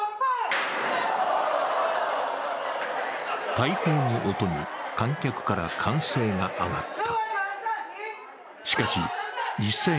大砲の音に観客から歓声が上がった。